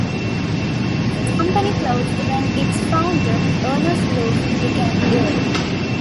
The company closed when its founder, Ernst Loof, became ill.